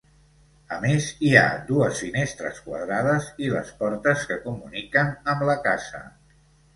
A més, hi ha dues finestres quadrades i les portes que comuniquen amb la casa.